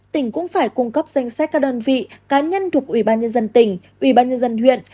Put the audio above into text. tỉnh cũng phải cung cấp danh sách các đơn vị cá nhân thuộc ubnd tỉnh ubnd huyện